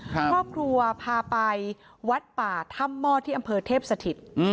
ครอบครัวพาไปวัดป่าถ้ำหม้อที่อำเภอเทพสถิต